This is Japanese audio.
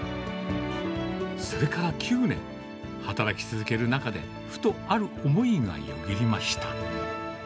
それから９年、働き続ける中で、ふとある思いがよぎりました。